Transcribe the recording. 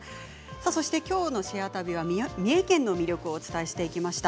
そしてきょうの「シェア旅」は三重県の魅力をお伝えしてきました。